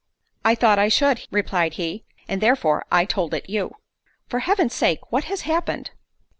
"I thought I should," replied he, "and therefore I told it you." "For Heaven's sake what has happened?"